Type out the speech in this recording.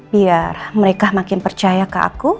biar mereka makin percaya ke aku